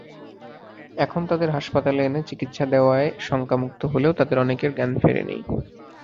এখন তাদের হাসপাতালে এনে চিকিৎসা দেওয়ায় শঙ্কামুক্ত হলেও তাদের অনেকের জ্ঞান ফেরেনি।